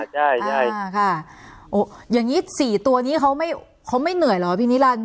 ใช่ใช่อ่าค่ะโอ้อย่างงี้สี่ตัวนี้เขาไม่เขาไม่เหนื่อยเหรอพี่นิรันดิ์